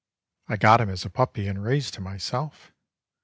I got him as a puppy, and raised him myself.